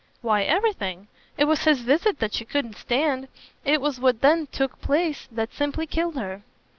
"Why everything. It was his visit that she couldn't stand it was what then took place that simply killed her."